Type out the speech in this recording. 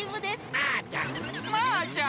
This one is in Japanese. マーちゃん。